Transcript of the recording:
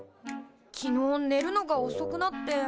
昨日ねるのがおそくなって。